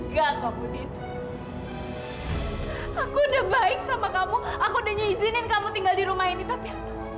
tega kamu din aku udah baik sama kamu aku udah nyejinin kamu tinggal di rumah ini tapi